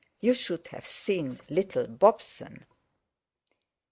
You should have seen little Bobson!"